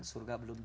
surga belum jelas